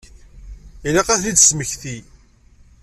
Ilaq ad ten-id-tesmekti.